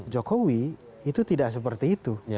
jokowi itu tidak seperti itu